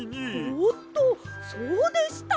おっとそうでした！